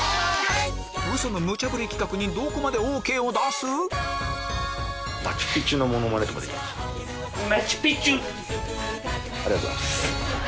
ウソのムチャぶり企画にどこまでＯＫを出す⁉マチュピチュ！